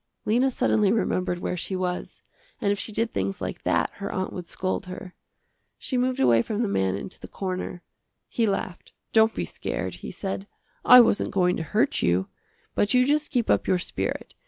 Lena suddenly remembered where she was, and if she did things like that her aunt would scold her. She moved away from the man into the corner. He laughed, "Don't be scared," he said, "I wasn't going to hurt you. But you just keep up your spirit.